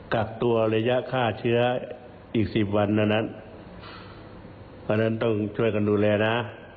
กักตัวระยะฆ่าเชื้ออีกสิบวันเท่านั้นเพราะฉะนั้นต้องช่วยกันดูแลนะ